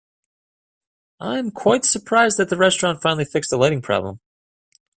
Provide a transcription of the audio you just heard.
I am quite surprised that the restaurant finally fixed the lighting problem.